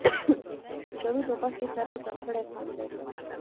کچالو د غوښې سره ځانګړی خوند لري